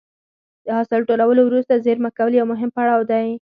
د حاصل ټولولو وروسته زېرمه کول یو مهم پړاو دی.